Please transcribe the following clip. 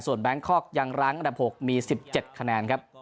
แบงคอกยังรั้งอันดับ๖มี๑๗คะแนนครับ